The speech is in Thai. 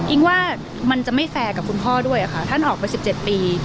อิงว่ามันจะไม่แฟร์กับคุณพ่อด้วยอะค่ะท่านออกไปสิบเจ็ดปี